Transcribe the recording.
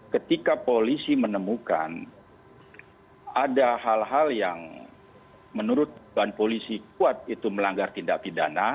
ketika polisi menemukan ada hal hal yang menurut polisi kuat itu melanggar tindak pidana